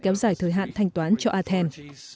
kéo dài thời hạn thanh toán cho aten